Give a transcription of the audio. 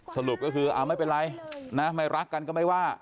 สรุปก็คือไม่เป็นไรนะไม่รักกันก็ไม่ว่า